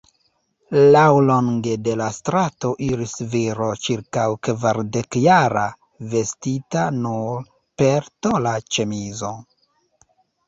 Laŭlonge de la strato iris viro ĉirkaŭ kvardekjara, vestita nur per tola ĉemizo.